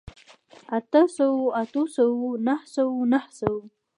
اته سوو، اتو سوو، نهه سوو، نهو سوو